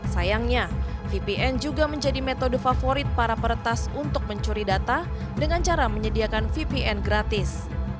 sayangnya vpn juga menjadi metode favorit para peretas untuk mencuri data dengan cara menyediakan vpn gratis